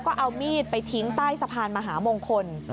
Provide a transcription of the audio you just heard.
ก็เอามีดไปทิ้งใต้สะพานมหามงคล